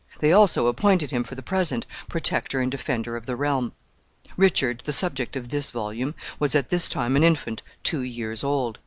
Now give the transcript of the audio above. They also appointed him, for the present, Protector and defender of the realm. Richard, the subject of this volume, was at this time an infant two years old.